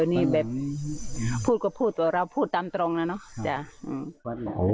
ยังไงสอนดีแบบพูดก็พูดเราพูดตามตรงน่ะเนาะ